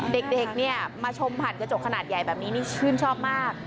เด็กเนี่ยมาชมผ่านกระจกขนาดใหญ่แบบนี้นี่ชื่นชอบมาก